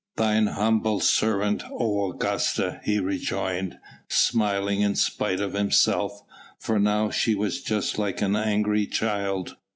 "Thine humble servant, O Augusta," he rejoined, smiling in spite of himself, for now she was just like an angry child.